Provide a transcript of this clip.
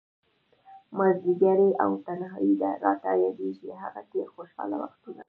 مازديګری او تنهائي ده، راته ياديږي هغه تير خوشحال وختونه